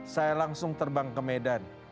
saya langsung terbang ke medan